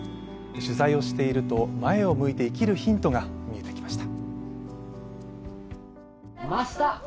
取材をしていると前を向いて生きるヒントが見えてきました。